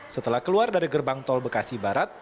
setelah keluar dari gerbang tol bekasi barat